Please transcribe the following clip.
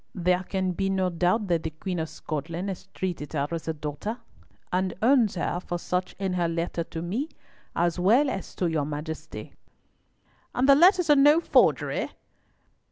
"There can be no doubt that the Queen of Scotland has treated her as a daughter, and owns her for such in her letter to me, as well as to your Majesty." "And the letters are no forgery?"